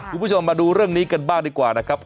คุณผู้ชมมาดูเรื่องนี้กันบ้างดีกว่านะครับ